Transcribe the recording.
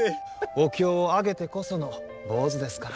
お経をあげてこその坊主ですから。